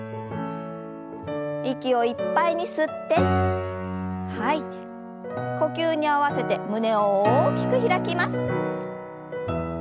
息をいっぱいに吸って吐いて呼吸に合わせて胸を大きく開きます。